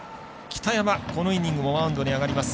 北山、このイニングもマウンドに上がります。